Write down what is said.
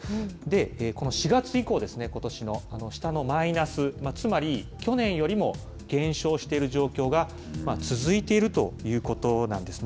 この４月以降ですね、ことしの、下のマイナス、つまり、去年よりも減少してる状況が続いているということなんですね。